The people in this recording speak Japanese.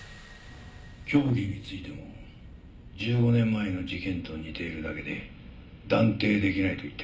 凶器についても１５年前の事件と似ているだけで断定できないと言ってる。